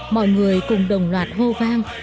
mọi người cùng đồng loạt hô vang